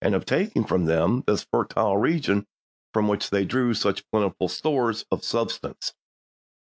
of taking from them this fertile region from which they drew such plentiful stores of subsistence.